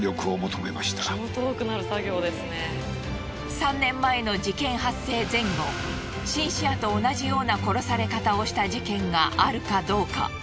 ３年前の事件発生前後シンシアと同じような殺され方をした事件があるかどうか？